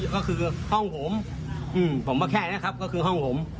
ก็คือห้องผมผมว่าแค่นี้ครับก็คือห้องผม